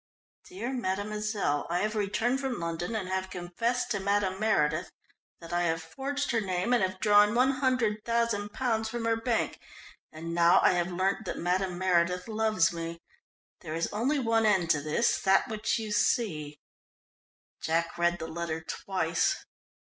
"Dear Mademoiselle, "_I have returned from London and have confessed to Madame Meredith that I have forged her name and have drawn £100,000 from her bank. And now I have learnt that Madame Meredith loves me. There is only one end to this that which you see _" Jack read the letter twice.